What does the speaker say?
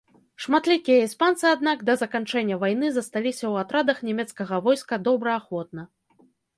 Шматлікія іспанцы, аднак, да заканчэння вайны засталіся ў атрадах нямецкага войска добраахвотна.